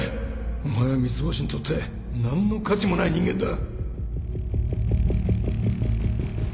お前は三ツ星にとって何の価値もない人間だ